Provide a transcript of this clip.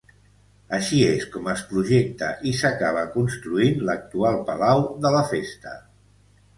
Així és com es projecta, i s'acaba construint l'actual Palau de la Festa.